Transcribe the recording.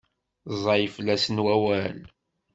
Ẓẓay fell-asen wawal.